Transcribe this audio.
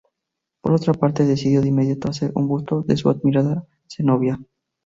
Por otra parte decidió de inmediato hacer un busto de su admirada Zenobia.